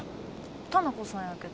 丹那子さんやけど。